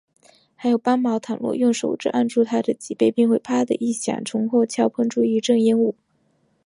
还有斑蝥，倘若用手指按住它的脊梁，便会啪的一声，从后窍喷出一阵烟雾